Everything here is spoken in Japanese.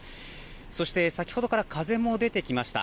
そして先ほどから風も出てきました。